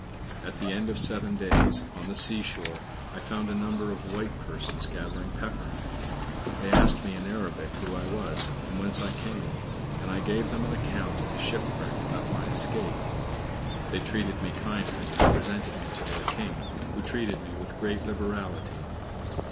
At the end of seven days, on the seashore I found a number of white persons gathering pepper. They asked me in Arabic who I was, and whence I came; and I gave them an account of the shipwreck, and of my escape. They treated me kindly and presented me to their King, who treated me with great liberality.